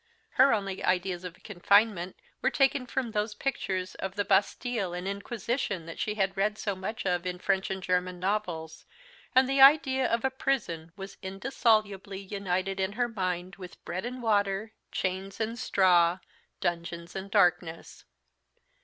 Her only ideas of confinement were taken from those pictures of the Bastile and Inquisition that she had read so much of in French and German novels; and the idea of a prison was indissolubly united in her mind with bread and water, chains and straw, dungeons and darkness.